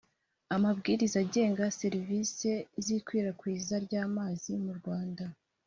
Amabwiriza agenga serivisi z ikwirakwizwa ry amazi mu rwanda